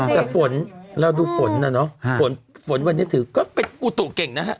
แต่ฝนเราดูฝนนะเนอะฝนฝนวันนี้ถือก็เป็นอุตุเก่งนะฮะ